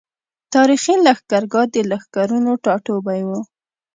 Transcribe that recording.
تاريخي لښکرګاه د لښکرونو ټاټوبی وو۔